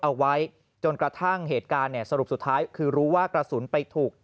เอาไว้จนกระทั่งเหตุการณ์เนี่ยสรุปสุดท้ายคือรู้ว่ากระสุนไปถูก